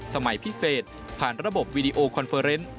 สมัยพิเศษผ่านระบบวีดีโอคอนเฟอร์เนส